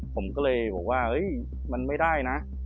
ผมก็เลยบอกว่ามันไม่ได้นะ